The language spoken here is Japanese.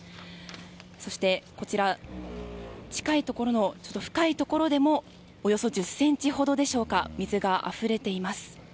そして、こちらの深いところでもおよそ１０ｃｍほどでしょうか水があふれています。